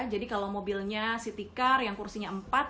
jadi kalau mobilnya city car yang kursinya empat